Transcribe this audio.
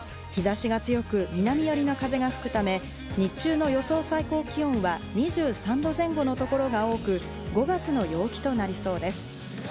日差しが強く、南よりの風が吹くため、日中の予想最高気温は２３度前後の所が多く、５月の陽気となりそうです。